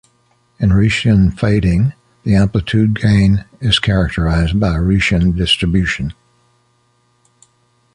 In Rician fading, the amplitude gain is characterized by a Rician distribution.